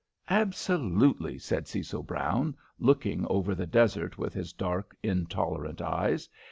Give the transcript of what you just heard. "Absolutely!" said Cecil Brown, looking over the desert with his dark, intolerant eyes.